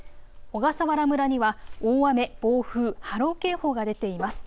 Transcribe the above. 小笠原村には大雨、暴風、波浪警報が出ています。